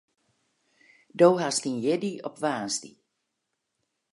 Do hast dyn jierdei op woansdei.